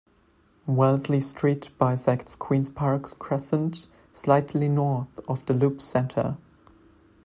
Wellesley Street bisects Queen's Park Crescent slightly north of the loop's centre.